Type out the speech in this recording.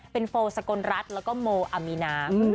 เป็นโฟสกลรัฐแล้วก็โมอามีนา